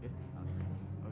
baru kemarin bu iyong